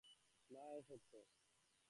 না, এ সত্য।